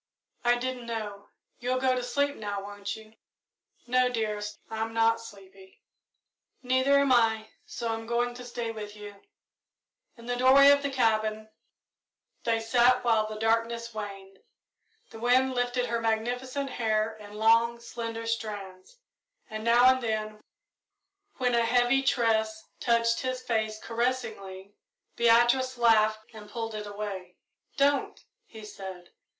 "I didn't know. You'll go to sleep now, won't you?" "No, dearest I'm not sleepy." "Neither am I, so I'm going to stay with you." In the doorway of the cabin, with their arms around each other, they sat while the darkness waned. The wind lifted her magnificent hair in long, slender strands, and now and then, when a heavy tress touched his face caressingly, Beatrice laughed and pulled it away. "Don't!" he said.